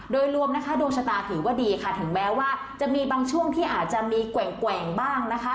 โดยรวมนะคะดวงชะตาถือว่าดีค่ะถึงแม้ว่าจะมีบางช่วงที่อาจจะมีแกว่งบ้างนะคะ